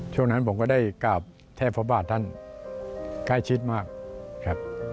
ช่วงนั้นผมก็ได้กราบเทพพระบาทท่านใกล้ชิดมากครับ